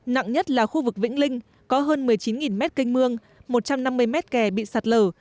nặng nhất là khu vực vĩnh linh có hơn một mươi chín mét canh mương một trăm năm mươi mét kè bị sạt lở